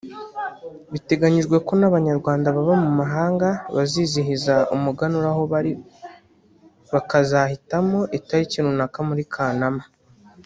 Biteganyijwe ko n’Abanyarwanda baba mu mahanga bazizihiza umuganura aho bari bakazahitamo itariki runaka muri Kanama